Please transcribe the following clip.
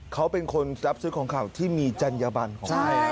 เขาเป็นคนรับซื้อของข่าวที่มีจัญญบันของเขา